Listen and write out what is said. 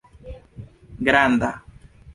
granda